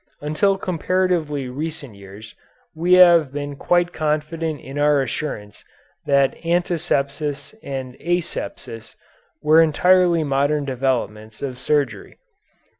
Until comparatively recent years we have been quite confident in our assurance that antisepsis and asepsis were entirely modern developments of surgery.